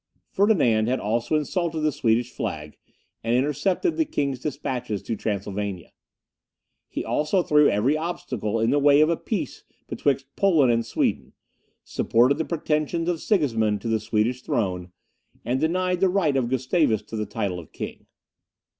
Ferdinand had also insulted the Swedish flag, and intercepted the king's despatches to Transylvania. He also threw every obstacle in the way of a peace betwixt Poland and Sweden, supported the pretensions of Sigismund to the Swedish throne, and denied the right of Gustavus to the title of king.